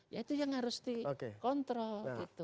ya itu yang harus dikontrol gitu